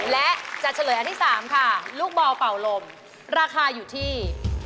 และจะเฉลยอันที่๓ค่ะลูกบอลเป่าลมราคาอยู่ที่